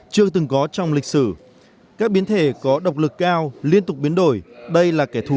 chưa từng có trong lịch sử các biến thể có độc lực cao liên tục biến đổi đây là kẻ thù